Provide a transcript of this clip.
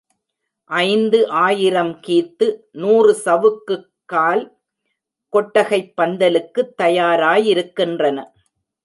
ஐந்து ஆயிரம் கீத்து, நூறு சவுக்குக்கால் கொட்டகைப் பந்தலுக்குத் தயாராயிருக்கின்றன.